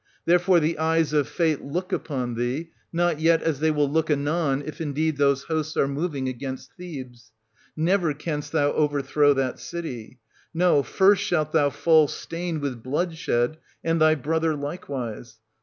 Therefore the ^yts of Fate look upon thee — not yet 1370 as they will look anon, if indeed those hosts are moving ^inst Thebes. Never canst thou overthrow that city ; no, first shalt thou fall stained with bloodshed, and thy brother likewise.